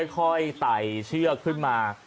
ค่อยไตเชือกขึ้นมา